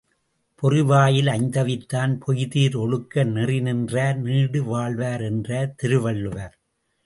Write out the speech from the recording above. பொறிவாயில் ஐந்தவித்தான் பொய்தீர் ஒழுக்க நெறிநின்றார் நீடு வாழ்வார் என்றார் திருவள்ளுவர்.